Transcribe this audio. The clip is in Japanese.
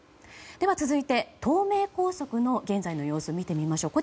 続いて、東名高速の現在の様子を見てみましょう。